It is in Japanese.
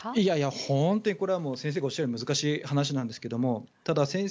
本当にこれはもう先生がおっしゃるように難しい話なんですがただ、先生